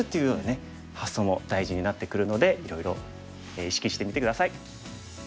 発想も大事になってくるのでいろいろ意識してみて下さい。